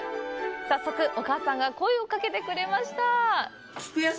早速、お母さんが声をかけてくれました！